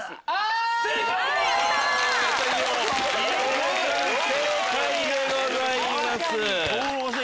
正解でございます。